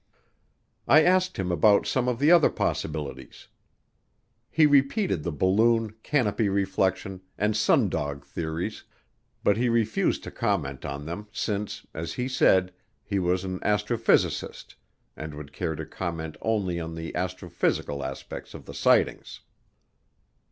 I asked him about some of the other possibilities. He repeated the balloon, canopy reflection, and sundog theories but he refused to comment on them since, as he said, he was an astrophysicist and would care to comment only on the astrophysical aspects of the sightings.